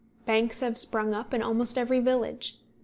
Banks have sprung up in almost every village.